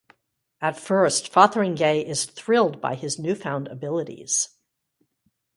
At first, Fotheringay is thrilled by his newfound abilities.